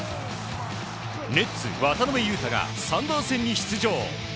ネッツ、渡邊雄太がサンダー戦に出場。